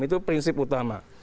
itu prinsip utama